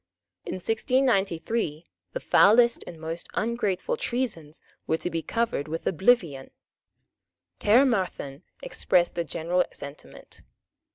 In 1693 the foulest and most ungrateful treasons were to be covered with oblivion. Caermarthen expressed the general sentiment.